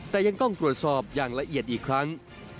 แต่ยังต้องตรวจสอบอย่างละเอียดอีกครั้ง